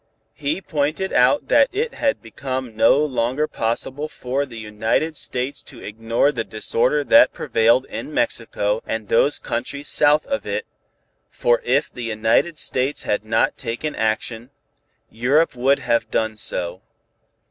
He pointed out that it had become no longer possible for the United States to ignore the disorder that prevailed in Mexico and those countries south of it, for if the United States had not taken action, Europe would have done so.